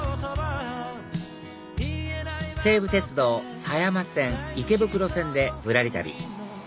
西武鉄道狭山線・池袋線でぶらり旅